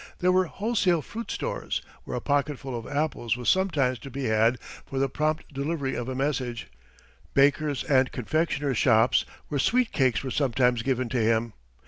There were wholesale fruit stores, where a pocketful of apples was sometimes to be had for the prompt delivery of a message; bakers' and confectioners' shops, where sweet cakes were sometimes given to him.